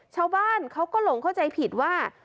ชาวบ้านเขาก็หลงเข้าใจผิดว่า